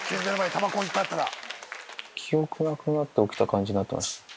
記憶なくなって起きた感じになってますね。